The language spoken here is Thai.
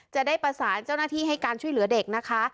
จะได้ประสานเจ้าหน้าที่ให้การช่วยเหลือเด็กนะคะ